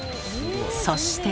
そして。